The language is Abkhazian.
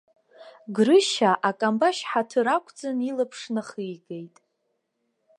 Грышьа акамбашь хаҭыр ақәҵан илаԥш нахигеит.